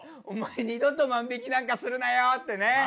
お前二度と万引きなんかするなよってね。